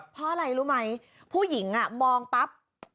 เพราะอะไรรู้ไหมผู้หญิงมองปั๊บ